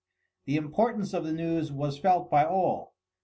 The importance of the news was felt by all.